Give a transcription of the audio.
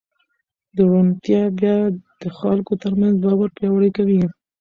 روڼتیا بیا د خلکو ترمنځ باور پیاوړی کوي.